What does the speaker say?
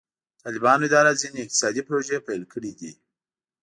د طالبانو اداره ځینې اقتصادي پروژې پیل کړي دي.